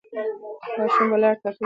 ماشومان به لار تعقیب کړي.